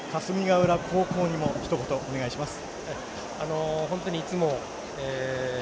そして、霞ヶ浦高校にもひと言、お願いします。